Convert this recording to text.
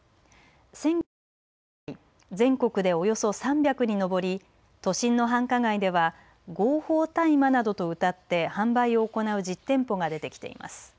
先月末、現在全国で、およそ３００に上り都心の繁華街では合法大麻などとうたって販売を行う実店舗が出てきています。